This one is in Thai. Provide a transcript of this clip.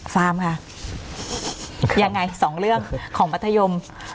ฟาร์มค่ะยังไงสองเรื่องของมัธยม